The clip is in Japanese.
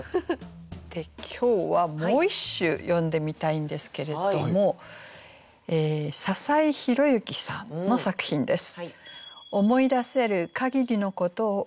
で今日はもう一首読んでみたいんですけれども笹井宏之さんの作品です。